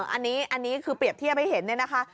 อันนี้คือเปรียบเทียบให้เห็นเนี่ยนะคะ